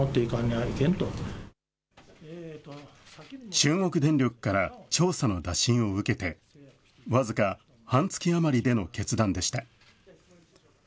中国電力から調査の打診を受けて、僅か半月余りでの決断でした。